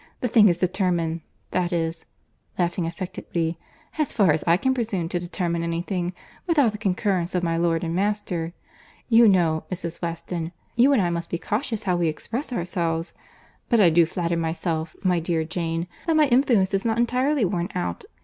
The thing is determined, that is (laughing affectedly) as far as I can presume to determine any thing without the concurrence of my lord and master. You know, Mrs. Weston, you and I must be cautious how we express ourselves. But I do flatter myself, my dear Jane, that my influence is not entirely worn out.